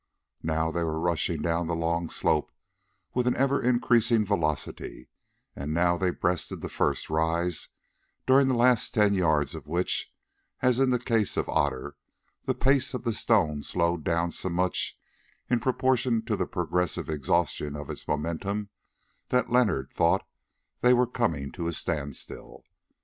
Now they were rushing down the long slope with an ever increasing velocity, and now they breasted the first rise, during the last ten yards of which, as in the case of Otter, the pace of the stone slowed down so much in proportion to the progressive exhaustion of its momentum, that Leonard thought they were coming to a standstill.